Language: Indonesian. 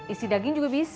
isi daging juga bisa